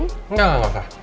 enggak enggak enggak usah